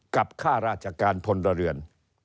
กับข้าราชการผลเรือน